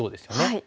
はい。